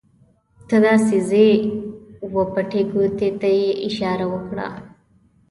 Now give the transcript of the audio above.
ته داسې ځې وه بټې ګوتې ته یې اشاره وکړه.